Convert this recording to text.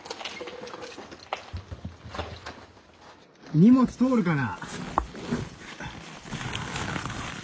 荷物通るかな。